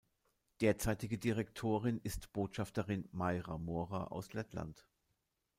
Derzeitige Direktorin ist Botschafterin Maira Mora aus Lettland.